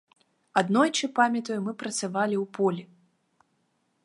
Аднойчы, памятаю, мы працавалі ў полі.